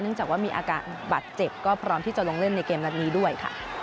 จากว่ามีอาการบาดเจ็บก็พร้อมที่จะลงเล่นในเกมนัดนี้ด้วยค่ะ